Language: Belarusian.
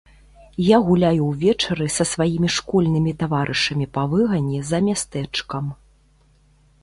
Я гуляю ўвечары са сваімі школьнымі таварышамі па выгане за мястэчкам.